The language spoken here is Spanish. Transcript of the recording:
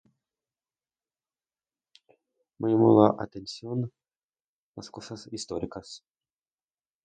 me llaman la atención las cosas históricas